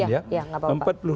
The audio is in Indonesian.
empat puluh rupiah per kilo